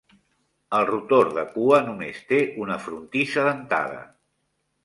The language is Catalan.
El rotor de cua només té una frontissa dentada.